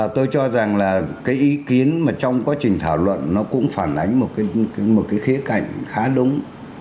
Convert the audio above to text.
tôi cho rằng là cái ý kiến mà trong quá trình thảo luận nó cũng phản ánh một cái khía cạnh khá đúng